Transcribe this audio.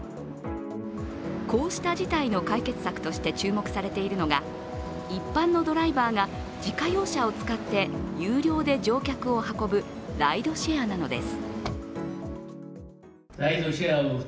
こうした事態の解決策として注目されているのが一般のドライバーが自家用車を使って有料で乗客を運ぶライドシェアなのです。